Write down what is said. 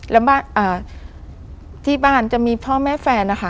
แล้วบ้านที่บ้านจะมีพ่อแม่แฟนนะคะ